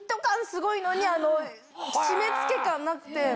すごいのに締め付け感なくて。